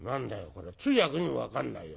これ通訳にも分かんないよ。